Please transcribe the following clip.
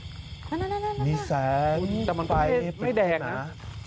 นั่นเนี่ยแต่มันไม่แดงนะนะเอ้ยมีแสงไปแถมนะ